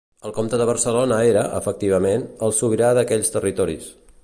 El comte de Barcelona era, efectivament, el sobirà d'aquells territoris.